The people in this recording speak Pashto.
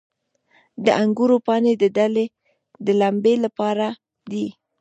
د انګورو پاڼې د دلمې لپاره دي.